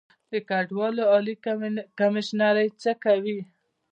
د کډوالو عالي کمیشنري څه کوي؟